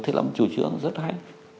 thế là một chủ trương rất hay